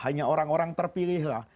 hanya orang orang terpilih lah